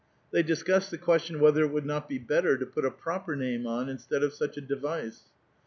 They discussed the question whether it would not be better to put a proper name on instead of such a device.